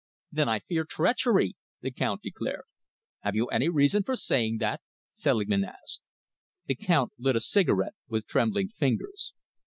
"Then I fear treachery," the Count declared. "Have you any reason for saying that?" Selingman asked. The Count lit a cigarette with trembling fingers.